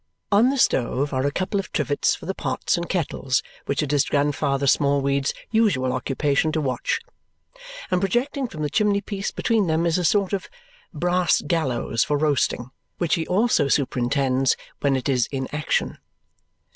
On the stove are a couple of trivets for the pots and kettles which it is Grandfather Smallweed's usual occupation to watch, and projecting from the chimney piece between them is a sort of brass gallows for roasting, which he also superintends when it is in action.